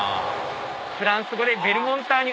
フランス語で。